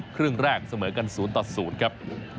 ครึ่งแรกเสมอกัน๐ต่อ๐ครับ